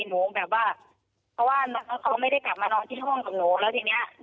หนูแบบว่าเพราะว่าเขาไม่ได้กลับมานอนที่ห้องกับหนูแล้วทีเนี้ย